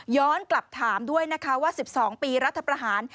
กลับถามด้วยนะคะว่า๑๒ปีรัฐประหาร